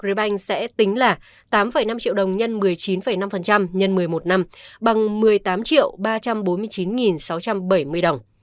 ribank sẽ tính là tám năm triệu đồng x một mươi chín năm x một mươi một năm bằng một mươi tám ba trăm bốn mươi chín sáu trăm bảy mươi đồng